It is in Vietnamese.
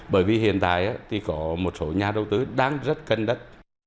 bởi vì hiện tại thì có một số nhà đầu tư đang rất cần đất